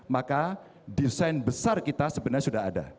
maka desain besar kita sebenarnya sudah ada